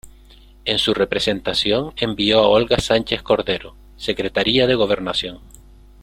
En su representación, envió a Olga Sánchez Cordero, Secretaría de Gobernación.